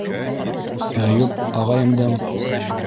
Әйүп... ағайымдың?!